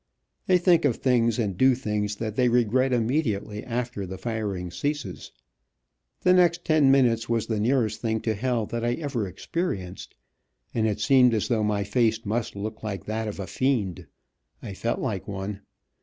They think of things and do things that they regret immediately after the firing ceases. The next ten minutes was the nearest thing to hell that I ever experienced, and it seemed as though my face must look like that of a fiend. I felt like one.